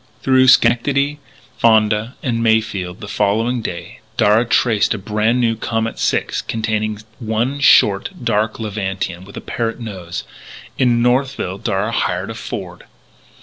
Through Schenectady, Fonda, and Mayfield, the following day, Darragh traced a brand new Comet Six containing one short, dark Levantine with a parrot nose. In Northville Darragh hired a Ford.